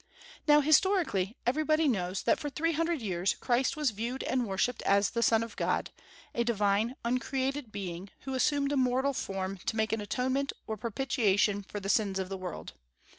Now, historically, everybody knows that for three hundred years Christ was viewed and worshipped as the Son of God, a divine, uncreated being, who assumed a mortal form to make an atonement or propitiation for the sins of the world.